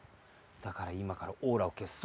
だからいまからオーラをけす。